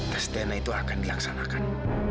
teste itu akan dilaksanakan